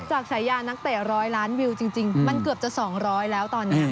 ฉายานักเตะ๑๐๐ล้านวิวจริงมันเกือบจะ๒๐๐แล้วตอนนี้